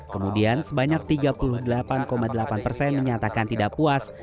kemudian sebanyak tiga puluh delapan delapan persen menyatakan tidak puas